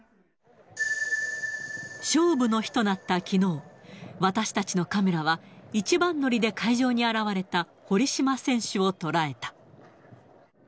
勝負の日となったきのう、私たちのカメラは、一番乗りで会場に現れた堀島選手を捉えた。